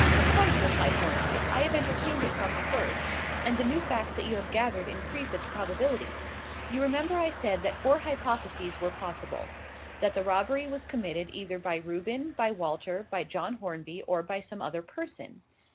"Quite," replied Thorndyke. "I have entertained it from the first; and the new facts that you have gathered increase its probability. You remember I said that four hypotheses were possible: that the robbery was committed either by Reuben, by Walter, by John Hornby, or by some other person.